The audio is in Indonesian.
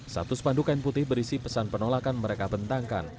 satu spanduk kain putih berisi pesan penolakan mereka bentangkan